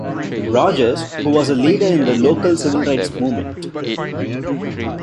Rogers, who was a leader in the local Civil Rights Movement.